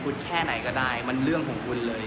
คุณแค่ไหนก็ได้มันเรื่องของคุณเลย